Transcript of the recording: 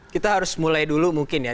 kita harus mulai dulu mungkin ya